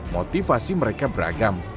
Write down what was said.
motivasi mereka beragam